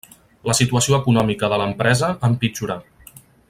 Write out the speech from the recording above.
La situació econòmica de l'empresa empitjorà.